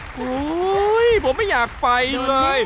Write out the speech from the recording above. โอ้โหผมไม่อยากไปเลย